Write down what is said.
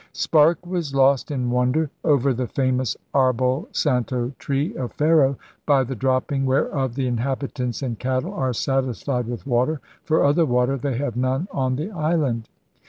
Sparke was lost in wonder over the famous Arbol Santo tree of Ferro, 'by the dropping whereof the inhabitants and cattle are satisfied with water, for other water they have none on the island.'